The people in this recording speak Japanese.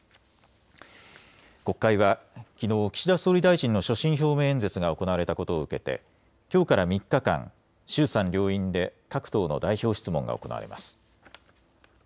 国会はきのう岸田総理大臣の所信表明演説が行われたことを受けてきょうから３日間、衆参両院で各党の代表質問が行われます。